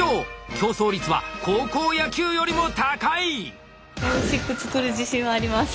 競争率は高校野球よりも高い！